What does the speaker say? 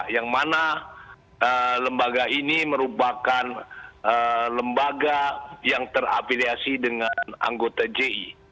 yang mana lembaga ini merupakan lembaga yang terafiliasi dengan anggota ji